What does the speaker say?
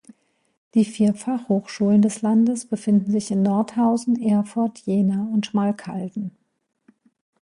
Die vier Fachhochschulen des Landes befinden sich in Nordhausen, Erfurt, Jena und Schmalkalden.